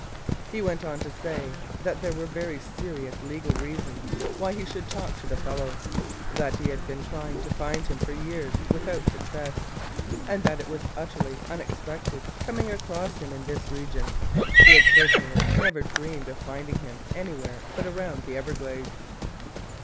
He went on to say that there were very serious legal reasons why he should talk to the fellow, that he had been trying to find him for years without success, and that it was utterly unexpected, coming across him in this region. He had certainly never dreamed of finding him anywhere but around the Everglades.